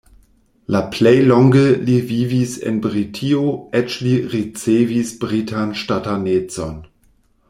La plej longe li vivis en Britio, eĉ li ricevis britan ŝtatanecon.